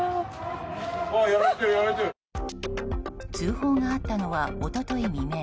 通報があったのは一昨日未明。